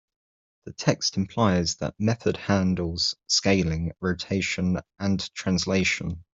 The text implies that method handles scaling, rotation, and translation.